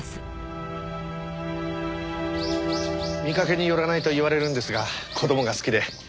見かけによらないと言われるんですが子供が好きで。